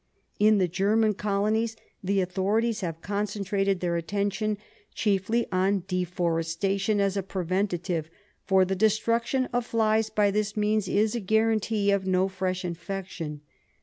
In the German colonies the authorities have concentrated their attention chiefly on deforestation as a preventive, for the destruction of flies by this means is a guarantee of no fresh infection.